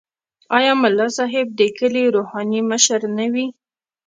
آیا ملا صاحب د کلي روحاني مشر نه وي؟